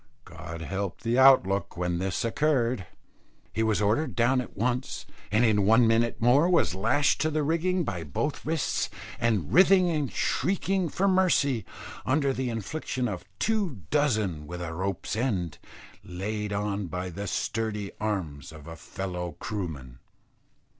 God help the out look when this occurred. He was ordered down at once, and in one minute more was lashed to the rigging by both wrists, and writhing and shrieking for mercy under the infliction of two dozen with a rope's end, laid on by the sturdy arms of a fellow Krooman.